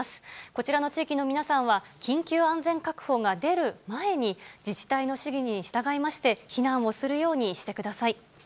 こちらの地域の皆さんは、緊急安全確保が出る前に、自治体の指示に従いまして、避難をするようにしてください。